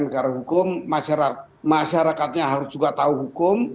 negara hukum masyarakatnya harus juga tahu hukum